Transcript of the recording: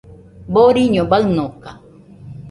Boriño baɨnoka